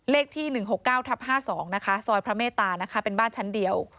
เลขที่๑๖๙ทับ๕๒นะคะซอยพระเมตตานะคะเป็นบ้านชั้นเดียว